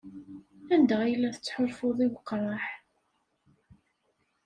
Anda ay la tettḥulfuḍ i weqraḥ?